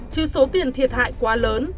chứ số tiền thiệt hại quá lớn